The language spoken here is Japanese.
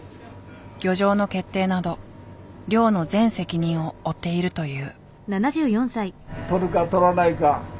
漁場の決定など漁の全責任を負っているという。